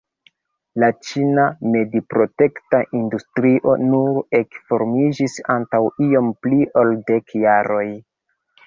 La ĉina mediprotekta industrio nur ekformiĝis antaŭ iom pli ol dek jaroj.